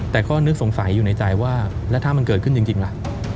แต่ก็นึกสงสัยอยู่ในใจว่าแล้วถ้ามันเกิดขึ้นจริงล่ะ